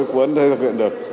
của ấn thế thực hiện được